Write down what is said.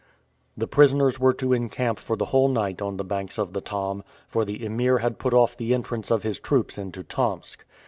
The prisoners were to encamp for the whole night on the banks of the Tom, for the Emir had put off the entrance of his troops into Tomsk.